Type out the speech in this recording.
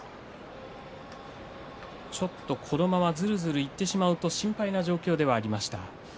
このままずるずるといってしまうと心配な状況ではありました。